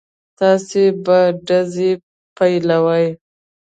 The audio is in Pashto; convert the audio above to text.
تاسې به ډزې پيلوئ.